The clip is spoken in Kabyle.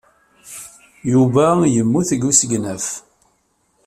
Yuba yemmut deg usegnaf.